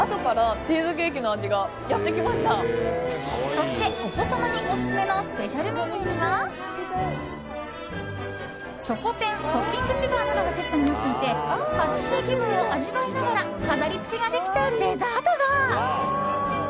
そして、お子様にオススメのスペシャルメニューにはチョコペントッピングシュガーなどがセットになっていてパティシエ気分を味わいながら飾り付けができちゃうデザートが。